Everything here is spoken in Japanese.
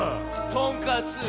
とんかつ。